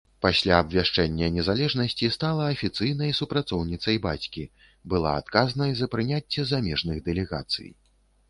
Пасля абвяшчэння незалежнасці стала афіцыйнай супрацоўніцай бацькі, была адказнай за прыняцце замежных дэлегацый.